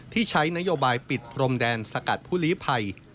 ที่ใช้นโยบายปิดพรมแดนสกัดผู้ลีภัย